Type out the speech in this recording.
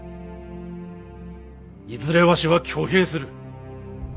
いずれわしは挙兵する。